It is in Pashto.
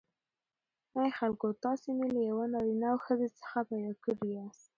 ای خلکو تاسی می له یوه نارینه او ښځی څخه پیداکړی یاست